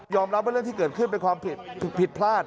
รับว่าเรื่องที่เกิดขึ้นเป็นความผิดผิดพลาด